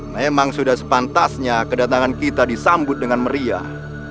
memang sudah sepantasnya kedatangan kita disambut dengan meriah